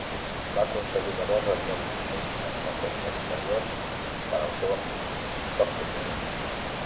Va aconseguir llavors el lloc de Ministre d'Afers Exteriors per al seu amic Tocqueville.